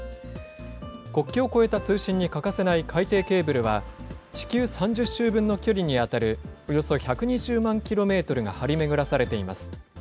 国境を越える通信に欠かせない海底ケーブルは、地球３０周分の距離に当たる、およそ１２０万キロメートルが張り巡らされています。